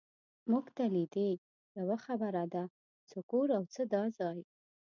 مونږ ته لیدې، یوه خبره ده، څه کور او څه دا ځای.